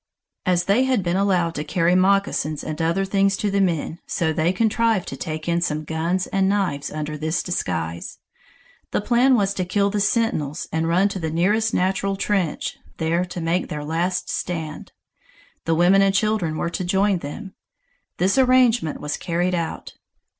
As they had been allowed to carry moccasins and other things to the men, so they contrived to take in some guns and knives under this disguise. The plan was to kill the sentinels and run to the nearest natural trench, there to make their last stand. The women and children were to join them. This arrangement was carried out.